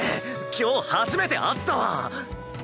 今日初めて会ったわ！